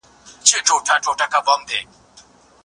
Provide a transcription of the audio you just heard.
پوه سړی د ظلم پر ځای عدل غواړي.